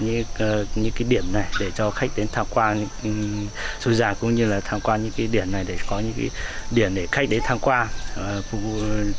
những cái điểm này để cho khách đến tham quan suối giang cũng như là tham quan những cái điểm này để có những cái điểm để khách đến tham quan